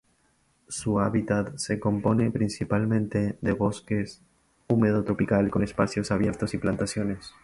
Su hábitat se compone principalmente de bosque húmedo tropical con espacios abiertos y plantaciones.